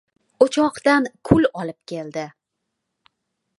O‘choqdan kul olib keldi.